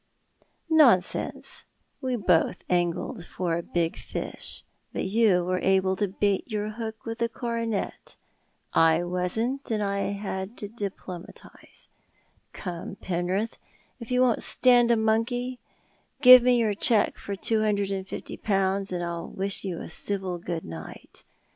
"'" Nonsense; we botli angled for a big fish, but you were able to bait your hook with a coronet. I wasn't, and I had to Cor a lies Private Diary continued. 253 diplomatise. Come, Penrith, if yon won't stand a monkey, give me your cheque for two hundred and fifty pound, and I'll wish you a civil good night.